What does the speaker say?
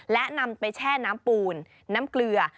และนำไปแช่น้ำปูนน้ำเกลือ